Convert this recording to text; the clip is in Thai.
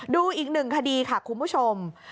ดูอีก๑คดีค่ะคุณผู้ชม